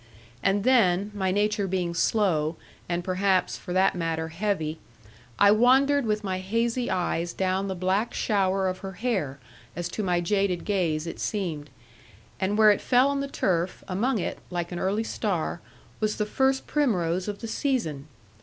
And then, my nature being slow, and perhaps, for that matter, heavy, I wandered with my hazy eyes down the black shower of her hair, as to my jaded gaze it seemed; and where it fell on the turf, among it (like an early star) was the first primrose of the season.